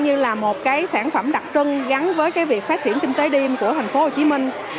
như là một cái sản phẩm đặc trưng gắn với cái việc phát triển kinh tế đêm của thành phố hồ chí minh